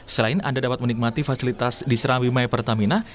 selain anda dapat menikmati fasilitas di serambi may pertamina